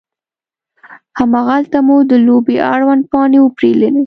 هماغلته مو د لوبې اړوند پاڼې وپیرلې.